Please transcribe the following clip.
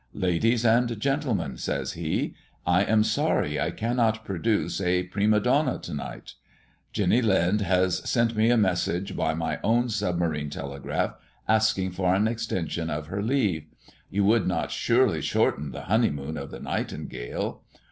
"Ladies and gentlemen," says he. "I am sorry I cannot produce a prima donna to night. Jenny Lind has sent me a message by my own submarine telegraph, asking for an extension of her leave. You would not surely shorten the honeymoon of the nightingale.